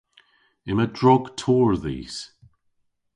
Yma drog torr dhis.